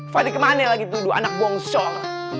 fadli kemana lagi tuduh anak bongsor